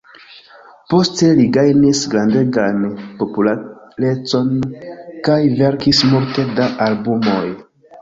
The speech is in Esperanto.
Poste li gajnis grandegan popularecon kaj verkis multe da albumoj.